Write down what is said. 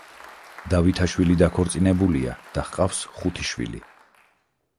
დავითაშვილი დაქორწინებულია და ჰყავს ხუთი შვილი.